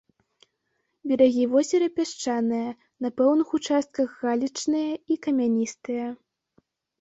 Берагі возера пясчаныя, на пэўных участках галечныя і камяністыя.